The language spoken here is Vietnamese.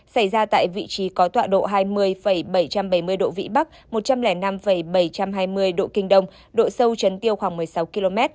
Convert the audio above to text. xảy ra tại vị trí có tọa độ hai mươi bảy trăm bảy mươi độ vĩ bắc một trăm linh năm bảy trăm hai mươi độ kinh đông độ sâu chấn tiêu khoảng một mươi sáu km